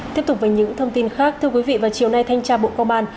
tiếp tục với những thông tin khác thưa quý vị vào chiều nay thanh tra bộ công an